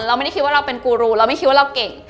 เราไม่ได้คิดว่าเราเป็นกูรูเราไม่คิดว่าเราเก่ง